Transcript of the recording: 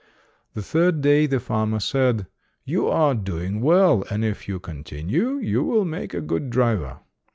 The third day, the farmer said, "You are doing well, and if you continue, you will make a good driver".